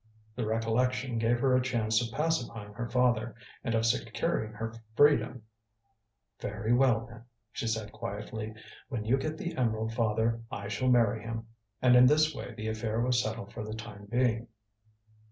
The recollection gave her a chance of pacifying her father, and of securing her freedom. "Very well, then," she said quietly. "When you get the emerald, father, I shall marry him," and in this way the affair was settled for the time being.